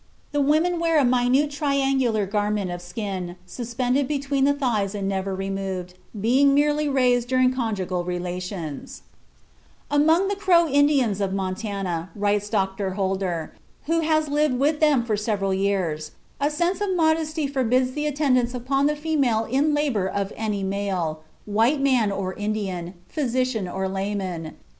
The women wear a minute triangular garment of skin suspended between the thighs and never removed, being merely raised during conjugal relations. (Hyades and Deniker, Mission Scientifique du Cap Horn, vol. vii, pp. 239, 307, and 347.) Among the Crow Indians of Montana, writes Dr. Holder, who has lived with them for several years, "a sense of modesty forbids the attendance upon the female in labor of any male, white man or Indian, physician or layman.